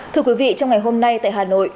thưa quý vị trong ngày hôm nay tại hà nội